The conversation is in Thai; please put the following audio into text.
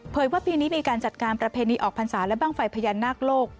ว่าปีนี้มีการจัดการประเพณีออกพรรษาและบ้างไฟพญานาคโลก